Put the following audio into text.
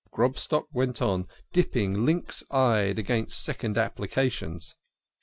Grobstock went on dipping, lynx eyed against second applications.